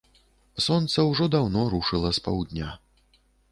Сонца ўжо даўно рушыла з паўдня.